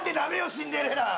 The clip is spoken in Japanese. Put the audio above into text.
シンデレラ！